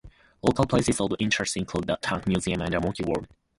Local places of interest include The Tank Museum and Monkey World.